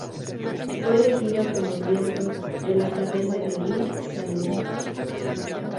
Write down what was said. Fue elegida como miembro de la Academia di San Luca.